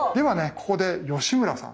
ここで吉村さんはい。